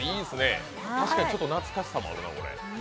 確かにちょっと懐かしさもあるな、これ。